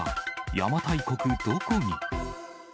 邪馬台国どこに？